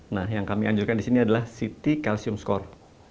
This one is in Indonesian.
nah yang kami anjurkan di sini adalah city calcium score